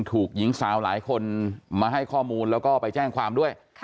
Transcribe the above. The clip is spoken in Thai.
ถูกหญิงสาวหลายคนมาให้ข้อมูลแล้วก็ไปแจ้งความด้วย